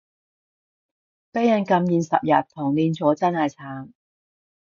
畀人禁言十日同連坐真係慘